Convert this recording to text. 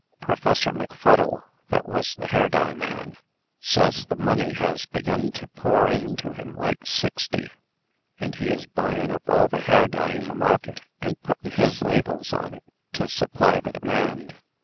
Professor Macfuddle" (that was the hair dye man) "ses the money has begun to pour in to him like sixty, and he is buyin' up all the hair dye in the market, and puttin' his labils on it to supply the demand.